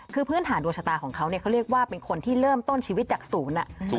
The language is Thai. คือพื้นฐานดวงชะตาของเขาเนี่ยเขาเรียกว่าเป็นคนที่เริ่มต้นชีวิตจากศูนย์